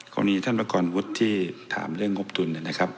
กรณีท่านประกอบวุฒิที่ถามเรื่องงบทุนนะครับ